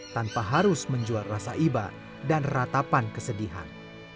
tanpa harus menjuar rasa ibadah dan ratapan kesedihan